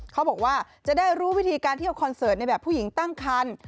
เขาบอกว่าจะได้รู้วิธีการเที่ยวคอนเสิร์ตในแบบผู้หญิงตั้งคัน